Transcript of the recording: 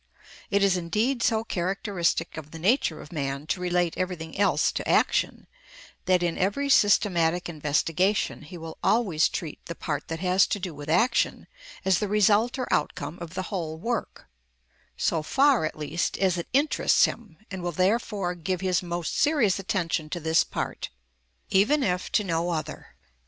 It is indeed so characteristic of the nature of man to relate everything else to action, that in every systematic investigation he will always treat the part that has to do with action as the result or outcome of the whole work, so far, at least, as it interests him, and will therefore give his most serious attention to this part, even if to no other.